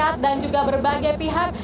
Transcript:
masyarakat dan juga berbagai pihak